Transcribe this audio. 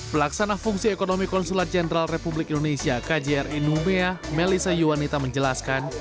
pelaksana fungsi ekonomi konsulat jenderal republik indonesia kjri numea melissa yuwanita menjelaskan